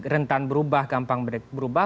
rentan berubah gampang berubah